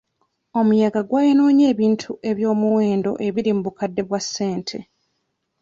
Omuyaga gwayonoonye ebintu eby'omuwendo ebiri mu bukadde bwa ssente.